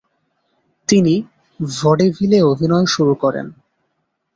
তিনি ভডেভিলে অভিনয় শুরু করেন।